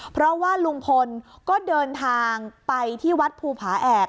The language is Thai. เพราะว่าลุงพลก็เดินทางไปที่วัดภูผาแอก